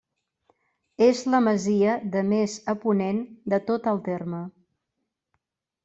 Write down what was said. És la masia de més a ponent de tot el terme.